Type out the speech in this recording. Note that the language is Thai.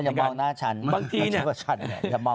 อย่ามองหน้าฉันมันไม่ใช่คนแบบนั้น